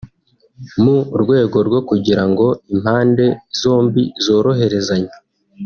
mu rwego rwo kugira ngo impande zombi zoroherezanye